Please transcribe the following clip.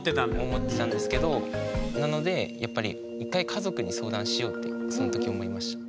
思ってたんですけどなのでやっぱり１回家族に相談しようってその時思いました。